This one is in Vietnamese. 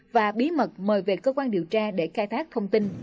và bí mật mời về cơ quan điều tra để khai thác thông tin